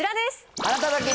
あなただけに！